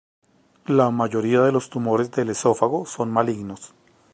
La mayoría de los tumores del esófago son malignos.